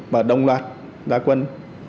và đồng loạt gia quân